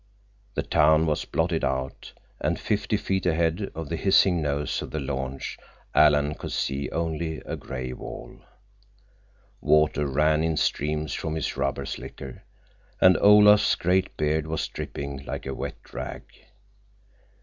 The town was blotted out, and fifty feet ahead of the hissing nose of the launch Alan could see only a gray wall. Water ran in streams from his rubber slicker, and Olaf's great beard was dripping like a wet rag.